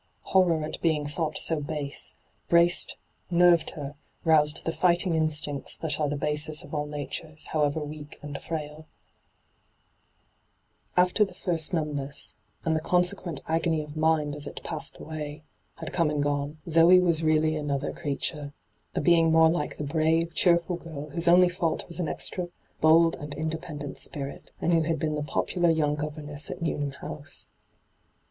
Horror at being thought so base braced, nerved her, roused the fighting instincts that are the basis of all natures, however weak and firaiL After the first numbness — and the con sequent agony of mind as it passed away — had come and gone, Zoe was really another ENTRAPPED 279 creature — a being more like the brave, cheerful girl, whose only fault was an extra bold and independent spirit, and who had been the popular young govemesa at Newn ham House.